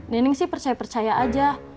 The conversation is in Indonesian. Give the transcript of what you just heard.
nening sih percaya percaya aja